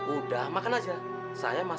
udah makan ya